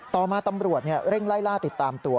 ต่อมาตำรวจเร่งไล่ล่าติดตามตัว